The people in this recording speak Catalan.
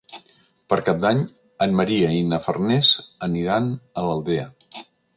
Per Cap d'Any en Maria i na Farners aniran a l'Aldea.